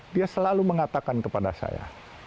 dia selalu mengatakan kepada saya